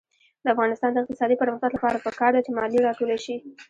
د افغانستان د اقتصادي پرمختګ لپاره پکار ده چې مالیه راټوله شي.